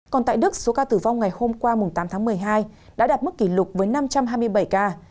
còn tại đức số ca tử vong ngày hôm qua tám tháng một mươi hai đã đạt mức kỷ lục với năm trăm hai mươi bảy ca